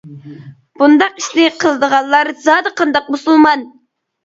بۇنداق ئىشنى قىلىدىغانلار زادى قانداق مۇسۇلمان؟ ؟؟.